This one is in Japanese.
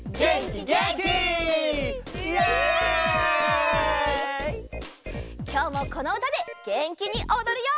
きょうもこのうたでげんきにおどるよ！